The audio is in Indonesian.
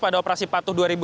pada operasi pantus diri adalah